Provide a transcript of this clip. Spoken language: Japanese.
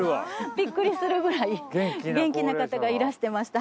ビックリするぐらい元気な方がいらしてました